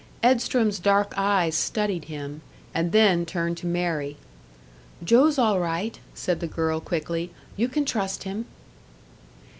Edstrom's dark eyes studied him, and then turned to Mary. "Joe's all right," said the girl, quickly. "You can trust him."